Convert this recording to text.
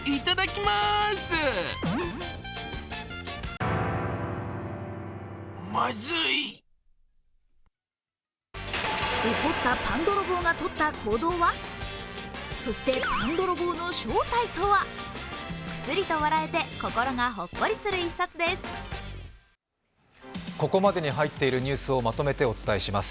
くすりと笑えて心がほっこりする一冊です。